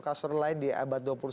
castro lain di amerika tenggara